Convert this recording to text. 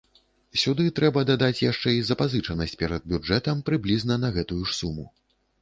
Сюды трэба дадаць яшчэ і запазычанасць перад бюджэтам прыблізна на гэтую ж суму.